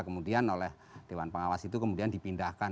kemudian oleh dewan pengawas itu kemudian dipindahkan